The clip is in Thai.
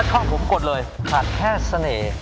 พัดคล้องผมกดเลยขาดแค่เสน่ห์